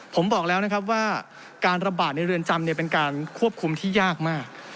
ผมบอกแล้วนะครับว่าการระบาดในเรือนจำเป็นการควบคุมที่ยากมาก